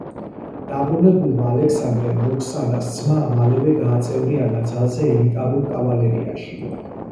დაბრუნებულმა ალექსანდრემ როქსანას ძმა მალევე გააწევრიანა ძალზე ელიტარულ კავალერიაში.